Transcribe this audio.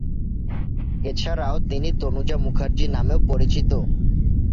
এছাড়াও, তিনি 'তনুজা মুখার্জি' নামেও পরিচিত।